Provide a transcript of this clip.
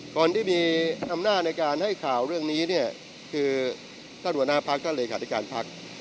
คนที่มีอำนาจในการให้ข่าวเรื่องนี้เนี่ยคือท่านหัวหน้าพักท่านเลขาธิการพัก